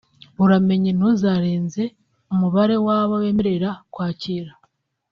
uramenye ntuzarenze umubare wabo bemerera kwakira